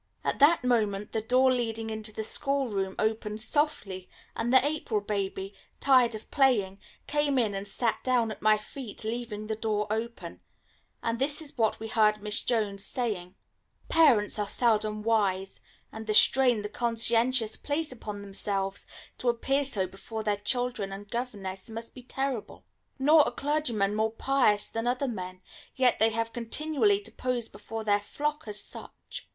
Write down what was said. At that moment the door leading into the schoolroom opened softly, and the April baby, tired of playing, came in and sat down at my feet, leaving the door open; and this is what we heard Miss Jones saying "Parents are seldom wise, and the strain the conscientious place upon themselves to appear so before their children and governess must be terrible. Nor are clergymen more pious than other men, yet they have continually to pose before their flock as such.